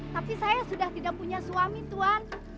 tapi saya sudah tidak punya suami tuan